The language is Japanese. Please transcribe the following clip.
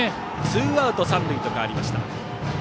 ツーアウト三塁に変わりました。